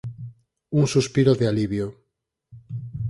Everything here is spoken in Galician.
Un suspiro de alivio.